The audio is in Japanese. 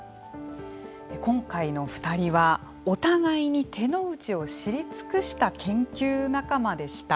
今回の２人はお互いに手の内を知り尽くした研究仲間でした。